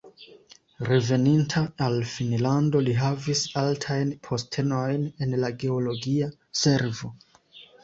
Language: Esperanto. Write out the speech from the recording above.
Reveninta al Finnlando li havis altajn postenojn en la geologia servo.